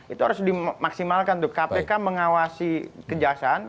itu harus dimaksimalkan tuh kpk mengawasi kejaksaan